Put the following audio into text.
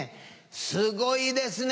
すごいですね